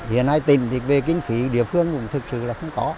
hiện nay tỉnh thì về kinh phí địa phương cũng thực sự là không có